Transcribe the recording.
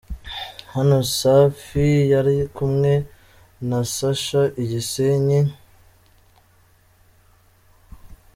Hano Safi yari kumwe na Sacha i Gisenyi.